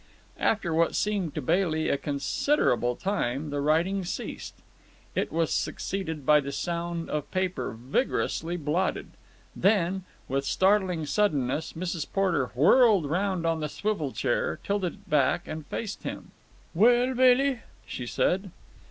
After what seemed to Bailey a considerable time, the writing ceased. It was succeeded by the sound of paper vigorously blotted. Then, with startling suddenness, Mrs. Porter whirled round on the swivel chair, tilted it back, and faced him. "Well, Bailey?" she said.